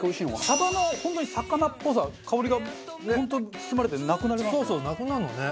サバの本当に魚っぽさ香りが本当包まれてなくなりますね。